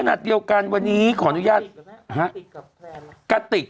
ขณะเดียวกันวันนี้ขออนุญาตกระติก